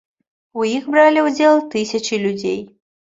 У іх бралі ўдзел тысячы людзей.